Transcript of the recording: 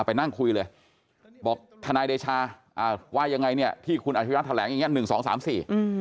ไปนั่งคุยเลยบอกทนายเดชาว่ายังไงที่คุณอธิบัติฐาแหลงอย่างนี้๑๒๓๔